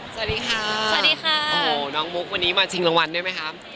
สวัสดีค่ะน้องมุ๊ควันนี้มาชิงรางวัลได้ไหมคะ